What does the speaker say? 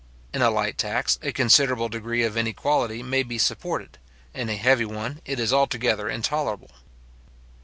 In a light tax, a considerable degree of inequality may be supported; in a heavy one, it is altogether intolerable.